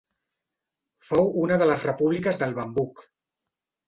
Fou una de les repúbliques del Bambouk.